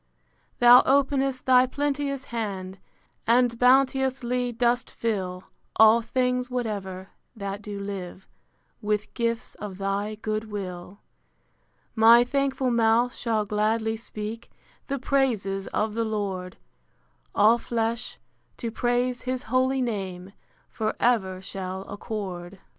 Thou openest thy plenteous hand, And bounteously dost fill All things whatever, that do live, With gifts of thy good will. My thankful mouth shall gladly speak The praises of the Lord: All flesh, to praise his holy name, For ever shall accord.